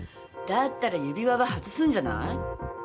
だったら指輪は外すんじゃない？